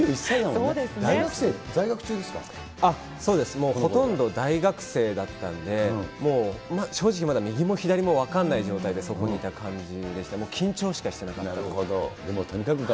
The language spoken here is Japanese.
もうほとんど大学生だったんで、もう正直、まだ右も左も分かんない状態でそこにいた感じで、もう緊張しかしなるほど。